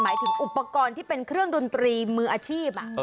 ถึงอุปกรณ์ที่เป็นเครื่องดนตรีมืออาชีพ